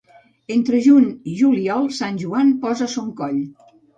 Entre juny i juliol, Sant Joan posa son coll.